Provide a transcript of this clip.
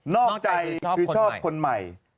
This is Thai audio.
นอกใจคือชอบคนใหม่